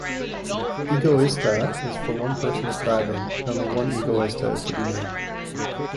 Egoista is for one person's driving and only one Egoista is to be made.